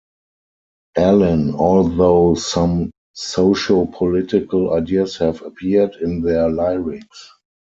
Allin, although some socio-political ideas have appeared in their lyrics.